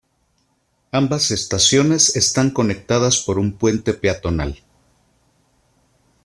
Ambas estaciones están conectadas por un puente peatonal.